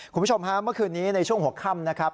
คุณผู้ชมฮะเมื่อคืนนี้ในช่วงหัวค่ำนะครับ